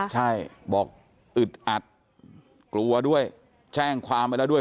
ใช่บอกอึดอัดกลัวด้วยแจ้งความไปแล้วด้วย